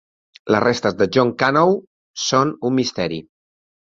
Les restes de John Canoe són un misteri.